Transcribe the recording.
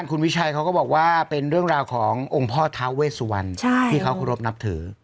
คุณวิชัยเขาก็บอกว่าเป็นเรื่องราวขององค์พ่อท้าเวสวันที่เขาเคารพนับถือ